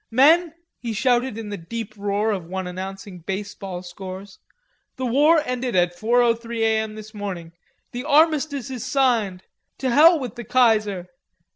"Men," he shouted in the deep roar of one announcing baseball scores, "the war ended at 4:03 A.M. this morning.... The Armistice is signed. To hell with the Kaiser!"